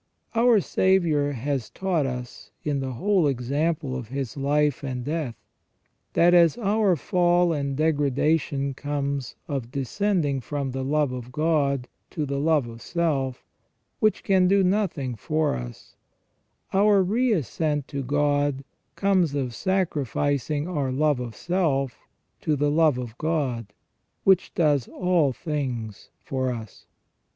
Our Saviour has taught us in the whole example of His life and death, that as our fall and degradation comes of descending from the love of God to the love of self, which can do nothing for us, our re ascent to God comes of sacrificing our love of self to the love of God, which does all things for us.